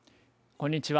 こんにちは。